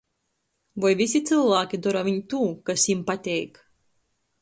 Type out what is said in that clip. Voi vysi cylvāki dora viņ tū, kas jim pateik?